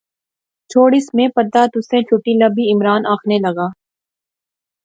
چھوڑیس، میں پتہ، تسیں چٹھی لبی، عمران آخنے لاغآ